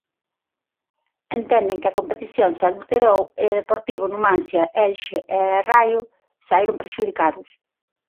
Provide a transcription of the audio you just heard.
Entenden que a competición se adulterou e Deportivo, Numancia, Elxe e Raio saíron prexudicados.